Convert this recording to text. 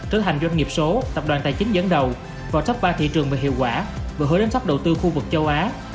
sửa hành doanh nghiệp số tập đoàn tài chính dẫn đầu vào top ba thị trường về hiệu quả và hướng đến top đầu tư khu vực châu á